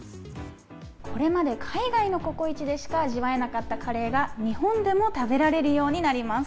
これまで海外のＣｏＣｏ壱でしか味わえなかったカレーが日本でも食べられるようになります。